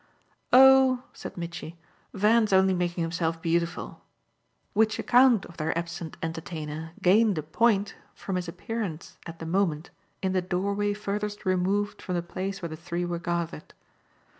"Oh," said Mitchy, "Van's only making himself beautiful" which account of their absent entertainer gained a point from his appearance at the moment in the doorway furthest removed from the place where the three were gathered.